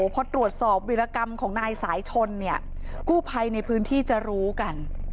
พอตรวจสอบวิรกรรมของนายสายชนเนี่ยกู้ภัยในพื้นที่จะรู้กัน